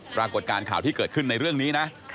ปรากฏการณ์ข่าวที่เกิดขึ้นในเรื่องนี้นะ